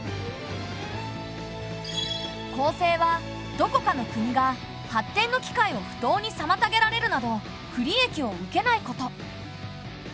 公正はどこかの国が発展の機会を不当にさまたげられるなど不利益を受けないこと。